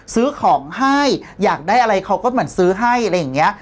ซื้อของให้อยากได้อะไรเขาก็เหมือนซื้อให้อะไรอย่างนี้